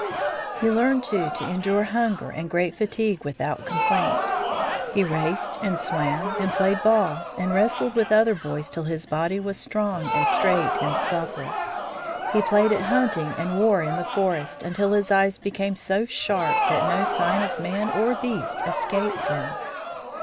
He learned, too, to endure hunger and great fatigue without complaint. He raced, and swam, and played ball, and wrestled with other boys till his body was strong and straight and supple. He played at hunting and war in the forest, until his eyes became so sharp that no sign of man or beast escaped them.